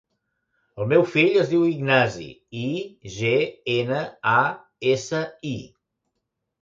El meu fill es diu Ignasi: i, ge, ena, a, essa, i.